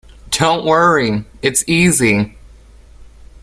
Don’t worry, it’s easy.